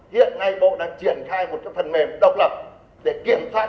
hiện nay bộ đang triển khai một phần mềm độc lập để kiểm soát